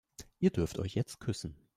Ihr dürft euch jetzt küssen.